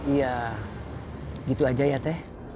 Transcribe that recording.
iya gitu aja ya teh